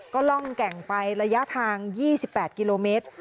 ก็ล่องแก่งไประยะทาง๒๘กิโลเมตร